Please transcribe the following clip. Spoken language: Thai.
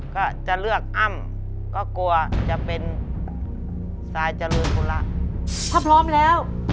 ก็จะเลือกอ้ำก็กลัวจะเป็นทรายเจริญธุระถ้าพร้อมแล้ว